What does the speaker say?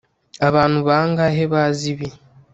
abantu bangahe bazi ibi